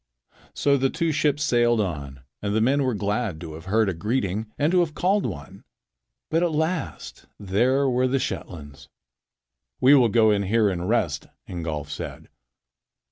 So the two ships sailed on, and the men were glad to have heard a greeting and to have called one. But at last there were the Shetlands. "We will go in here and rest," Ingolf said.